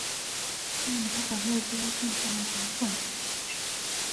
但他把目标定在了总统选举上。